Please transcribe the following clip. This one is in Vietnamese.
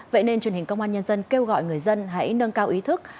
vậy nên truyền hình công an nhân dân kêu gọi người dân hãy nâng cao ý thức